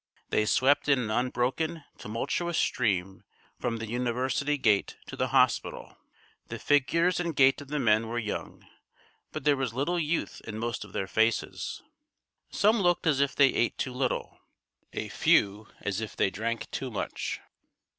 They swept in an unbroken, tumultuous stream from the university gate to the hospital. The figures and gait of the men were young, but there was little youth in most of their faces. Some looked as if they ate too little a few as if they drank too much.